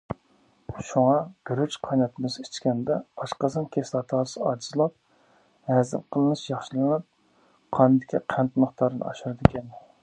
شۇڭا گۈرۈچ قايناتمىسى ئىچكەندە، ئاشقازان كىسلاتاسى ئاجىزلاپ ھەزىم قىلىنىش ياخشىلىنىپ، قاندىكى قەنت مىقدارىنى ئاشۇرىدىكەن.